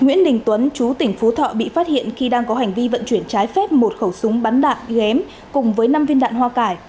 nguyễn đình tuấn chú tỉnh phú thọ bị phát hiện khi đang có hành vi vận chuyển trái phép một khẩu súng bắn đạn ghém cùng với năm viên đạn hoa cải